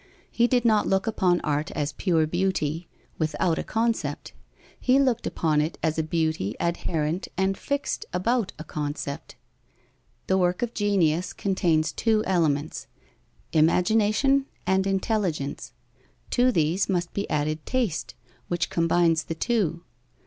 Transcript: He did not look upon art as pure beauty without a concept. He looked upon it as a beauty adherent and fixed about a concept. The work of genius contains two elements: imagination and intelligence. To these must be added taste, which combines the two.